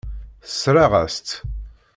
Tessṛeɣ-as-tt.